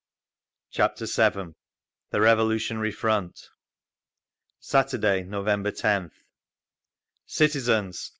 Chapter VII The Revolutionary Front Saturday, November 10th…. Citizens!